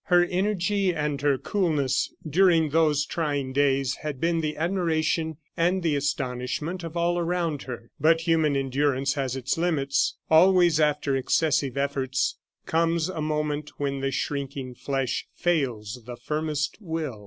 Her energy and her coolness during those trying days had been the admiration and the astonishment of all around her. But human endurance has its limits. Always after excessive efforts comes a moment when the shrinking flesh fails the firmest will.